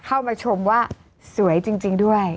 เข้ามาชมว่าสวยจริงด้วย